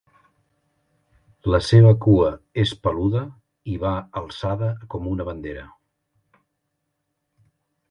La seva cua és peluda i va alçada com una bandera.